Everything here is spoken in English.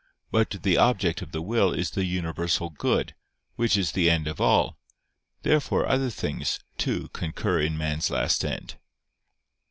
But the object of the will is the universal good, which is the end of all. Therefore other things, too, concur in man's last end.